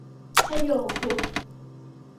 ชโย กรุ๊ป